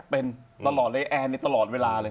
เป็นตลอดเลยแอร์นี่ตลอดเวลาเลย